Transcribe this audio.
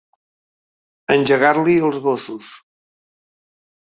Engegar-li els gossos.